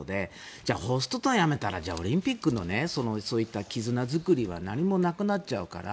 じゃあホストタウンやめたらじゃあオリンピックの絆作りは何もなくなっちゃうから。